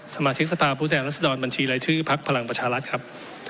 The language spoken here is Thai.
สมาธิกษภาพุทธแห่งรัฐศดรบัญชีรายชื่อภักดิ์พลังประชารัฐครับ